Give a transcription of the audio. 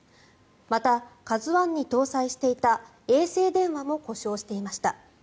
また「ＫＡＺＵ１」に搭載していた衛星電話も故障していました。